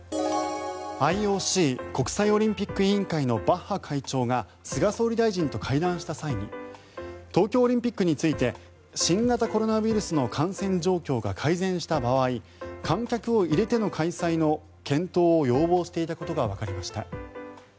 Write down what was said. ＩＯＣ・国際オリンピック委員会のバッハ会長が菅総理大臣と会談した際に東京オリンピックについて新型コロナウイルスの感染状況が改善した場合観客を入れての開催の検討を要望していたことがわかりました。